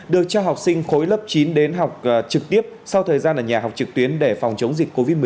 được cho học sinh khối lớp chín đến học trực tiếp sau thời gian ở nhà học trực tuyến để phòng chống